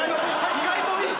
意外といい！